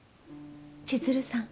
千鶴さん？